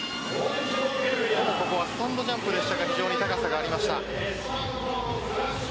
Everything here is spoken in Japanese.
ここはスタンドジャンプでしたが非常に高さがありました。